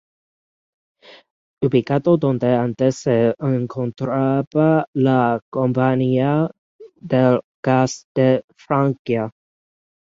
Ubicado donde antes se encontraba la Compañía del Gas de Francia.